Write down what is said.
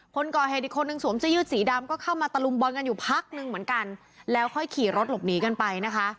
คนก่อเหตุอีกคนนึงสวมเสื้อยืดสีดำก็เข้ามาตะลุมบอลกันอยู่พักนึงเหมือนกันแล้วค่อยขี่รถหลบหนีกันไปนะคะ